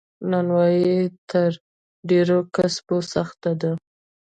نانوایې تر ډیرو کسبونو سخته ده.